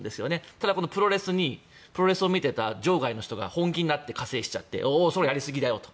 ただこのプロレスにプロレスを見ていた場外の人が本気になって加勢しちゃってそれはやりすぎだよと。